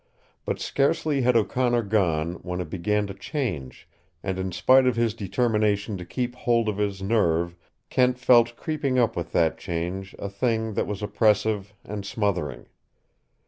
But scarcely had O'Connor gone when it began to change, and in spite of his determination to keep hold of his nerve Kent felt creeping up with that change a thing that was oppressive and smothering.